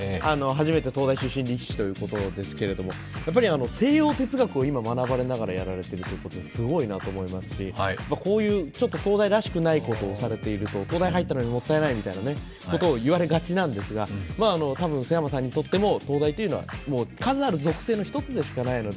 初めて東大出身力士ということですけど、やっぱり西洋哲学を今学ばれながらやっているということで、すごいなと思いますし、こういう東大らしくないことをされていると東大入ったのにもったいないということを言われがちなんですが、多分須山さんにとっても東大というのは数ある属性の１つだと思います